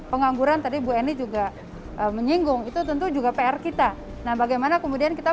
pengangguran tadi bu eni juga menyinggung itu tentu juga pr kita nah bagaimana kemudian kita